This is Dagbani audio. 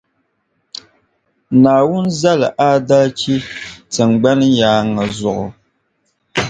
Naawuni zali aadalchi tiŋgbani yaaŋa zuɣu.